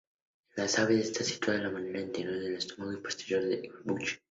En las aves está situado de manera anterior al estómago y posterior al buche.